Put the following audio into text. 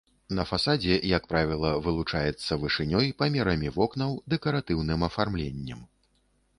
На фасадзе, як правіла, вылучаецца вышынёй, памерамі вокнаў, дэкаратыўным афармленнем.